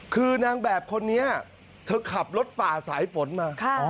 คือนางแบบคนนี้เธอขับรถฝ่าสายฝนมา